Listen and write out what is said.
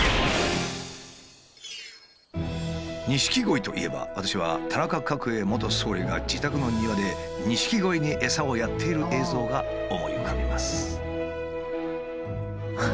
錦鯉といえば私は田中角栄元総理が自宅の庭で錦鯉にエサをやっている映像が思い浮かびます。